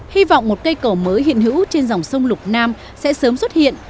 hy vọng một cây cầu mới hiện hữu trên dòng sông lục nam sẽ sớm xuất hiện